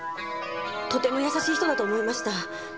とても優しい人だと思いました。